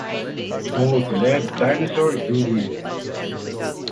Both left Dinosaur Jr.